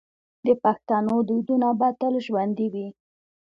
د پښتنو دودونه به تل ژوندي وي.